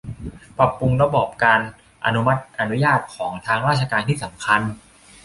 ปรับปรุงระบบการอนุมัติอนุญาตของทางราชการที่สำคัญ